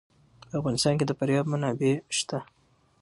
په افغانستان کې د فاریاب منابع شته.